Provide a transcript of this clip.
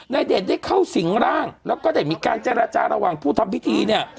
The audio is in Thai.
เดชได้เข้าสิงร่างแล้วก็ได้มีการเจรจาระหว่างผู้ทำพิธีเนี่ย